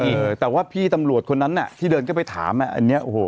เออแต่ว่าพี่ตำรวจคนนั้นน่ะที่เดินเข้าไปถามอ่ะอันเนี้ยโอ้โห